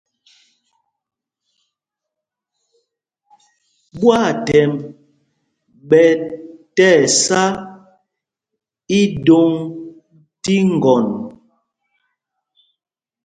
Ɓwâthɛmb ɓɛ tíɛsá ídôŋ tí ŋgɔn.